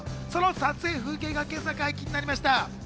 その撮影風景が今朝、解禁になりました。